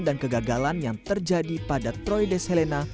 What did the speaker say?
kegagalan yang terjadi pada troides helena